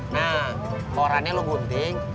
nah korannya lo gunting